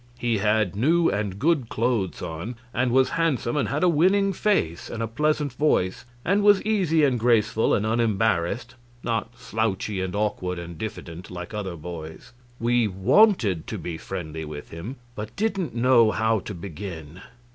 He had new and good clothes on, and was handsome and had a winning face and a pleasant voice, and was easy and graceful and unembarrassed, not slouchy and awkward and diffident, like other boys. We wanted to be friendly with him, but didn't know how to begin.